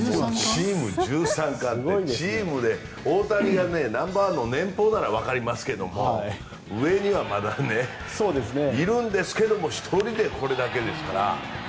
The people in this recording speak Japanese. チーム１３冠ってチームで大谷がナンバーワンの年俸ならわかりますけど上にはまだいるんですけど１人でこれだけですから。